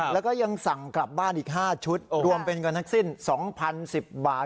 แล้วก็ยังสั่งกลับบ้านอีก๕ชุดรวมเป็นเงินทั้งสิ้น๒๐๑๐บาท